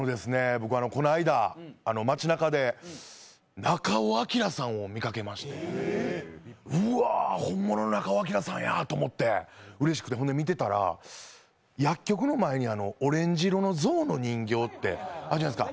僕はこの間、街なかで中尾彬さんを見かけましてうわぁ、本物の中尾彬さんやと思って見てたら薬局の前にオレンジ色の象の人形ってあるじゃないですか。